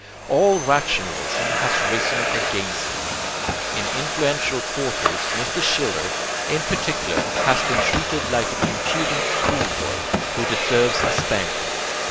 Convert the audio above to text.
All rationalism has risen against them. In influential quarters Mr. Schiller, in particular, has been treated like an impudent schoolboy who deserves a spanking.